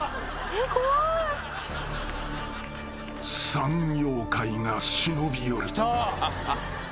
［三妖怪が忍び寄る］